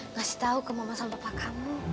ngasih tahu ke mama sama papa kamu